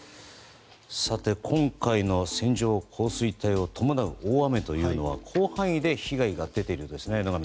今回の線状降水帯を伴う大雨というのは広範囲で被害が出ているんですね。